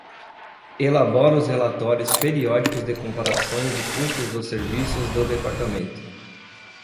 Elabora os relatórios periódicos de comparações de custos dos serviços do Departamento.